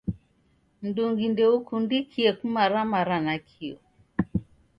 Mndungi ndoukundikie kumaramara nakio.